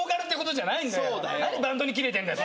何バンドにキレてんだよ